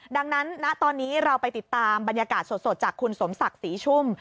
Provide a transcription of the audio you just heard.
ดังนั้นณตอนนี้เราไปติดตามบรรยากาศสดจากคุณสมศักดิ์ศรีชุ่ม